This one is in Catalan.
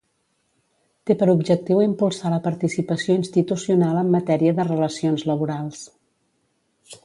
Té per objectiu impulsar la participació institucional en matèria de relacions laborals.